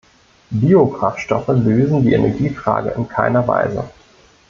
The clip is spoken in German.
Biokraftstoffe lösen die Energiefrage in keiner Weise.